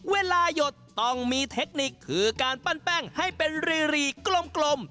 หยดต้องมีเทคนิคคือการปั้นแป้งให้เป็นรีกลม